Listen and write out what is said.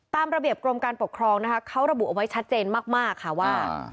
ตามระเบียบกรมการปกครองนะคะเขาระบุเอาไว้ชัดเจนมากค่ะว่า